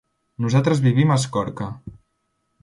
Nosaltres vivim a Escorca.